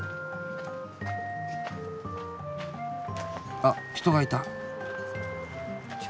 あっ人がいた。